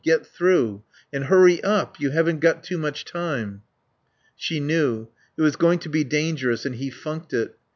Get through.... And hurry up. You haven't got too much time." She knew. It was going to be dangerous and he funked it.